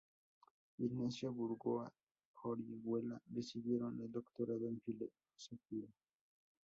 Ignacio Burgoa Orihuela recibieron el doctorado en Filosofía.